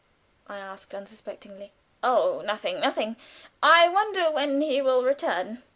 I asked, unsuspectingly. "Oh, nothing nothing! I wonder when he will return!